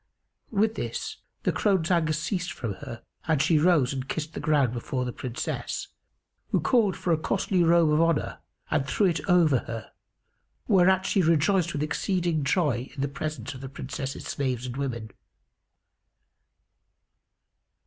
With this, the crone's anger ceased from her and she rose and kissed the ground before the Princess, who called for a costly robe of honour and threw it over her, whereat she rejoiced with exceeding joy in the presence of the Princess's slaves and women.